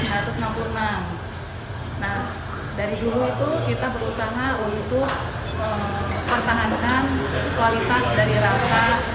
nah dari dulu itu kita berusaha untuk mempertahankan kualitas dari rawa